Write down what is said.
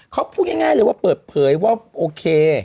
เขาพูดง่ายเลยว่าเปิดเผยว่าโอเค